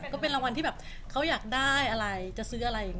ก็เป็นรางวัลที่เขาอยากได้อะไรจะซื้ออะไร